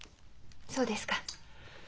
そうですか。